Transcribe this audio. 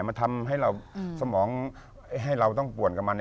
มันทำให้เราสมองให้เราต้องป่วนกับมัน